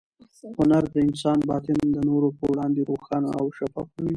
هنر د انسان باطن د نورو په وړاندې روښانه او شفافوي.